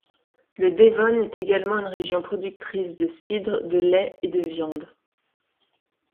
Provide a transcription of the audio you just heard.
Le Devon est également une région productrice de cidre, de lait et de viande.